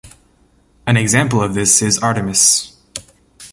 An example of this is Artemis.